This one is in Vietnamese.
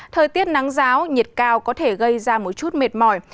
thời tiết nắng giáo nhiệt cao có thể gây ra một chút mệt mỏi